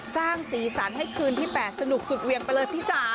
สร้างสีสันให้คืนที่๘สนุกสุดเวียงไปเลยพี่จ๋า